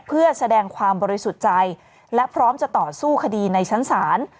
เพื่อแสดงความบริสุทธิ์ใจและพร้อมจะต่อสู้คดีในชั้นศาล